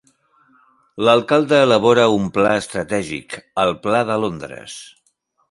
L'alcalde elabora un pla estratègic, el "Pla de Londres".